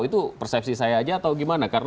itu persepsi saya aja atau gimana